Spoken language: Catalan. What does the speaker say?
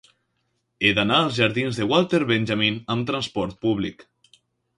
He d'anar als jardins de Walter Benjamin amb trasport públic.